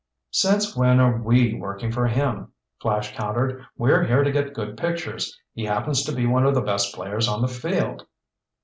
"Since when are we working for him?" Flash countered. "We're here to get good pictures. He happens to be one of the best players on the field."